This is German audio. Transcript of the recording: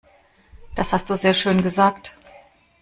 Das hast du sehr schön gesagt.